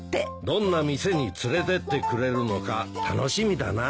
どんな店に連れてってくれるのか楽しみだな。